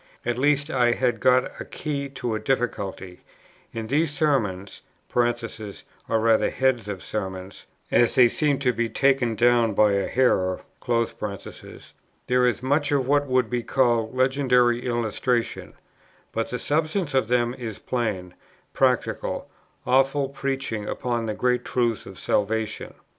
At least I had got a key to a difficulty; in these Sermons, (or rather heads of sermons, as they seem to be, taken down by a hearer,) there is much of what would be called legendary illustration; but the substance of them is plain, practical, awful preaching upon the great truths of salvation.